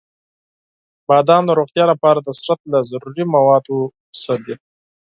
• بادام د روغتیا لپاره د بدن له ضروري موادو څخه دی.